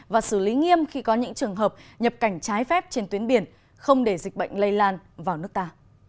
và xử lý nghiêm khi có những trường hợp nhập cảnh trái phép trên tuyến biển không để dịch bệnh lây lan vào nước ta